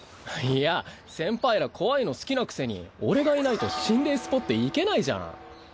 いや先輩ら怖いの好きなくせに俺がいないと心霊スポット行けないじゃん。